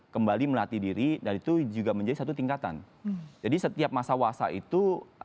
kembali melatih diri dan itu juga menjadi satu tingkatan jadi setiap masa wasa itu